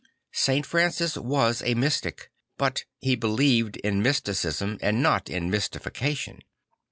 St. Francis was a mystic, but he believed in mysticism and not in mystification.